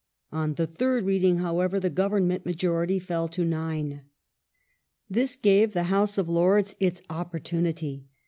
On the third reading, however, the Government majority fell to nine. This gave the House of Lords its opportunity.